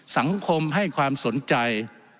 สังคมให้ความสนใจ